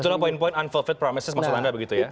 itulah poin poin unfulfilled promises maksud anda begitu ya